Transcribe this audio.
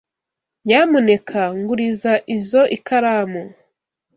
Nyamuneka nguriza izoi karamu.